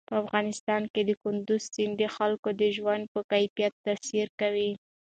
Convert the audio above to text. په افغانستان کې کندز سیند د خلکو د ژوند په کیفیت تاثیر کوي.